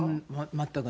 全く。